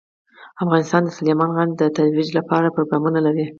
افغانستان د سلیمان غر د ترویج لپاره پروګرامونه لري.